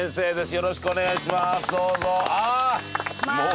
よろしくお願いします。